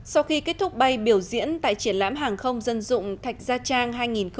sau khi kết thúc bay biểu diễn tại triển lãm hàng không dân dụng thạch gia trang hai nghìn một mươi chín